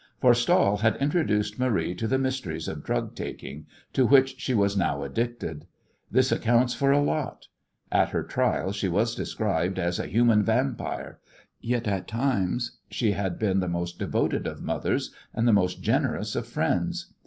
For Stahl had introduced Marie to the mysteries of drug taking, to which she was now addicted. This accounts for a lot. At her trial she was described as a "human vampire," yet at times she had been the most devoted of mothers and the most generous of friends.